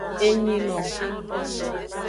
Enyino.